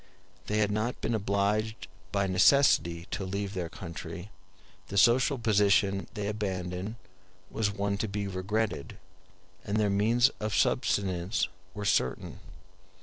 They had not been obliged by necessity to leave their country; the social position they abandoned was one to be regretted, and their means of subsistence were certain.